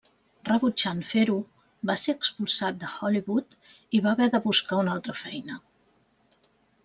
Rebutjant fer-ho, va ser expulsat de Hollywood i va haver de buscar una altra feina.